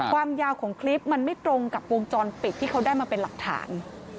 ความยาวของคลิปมันไม่ตรงกับวงจรปิดที่เขาได้มาเป็นหลักฐาน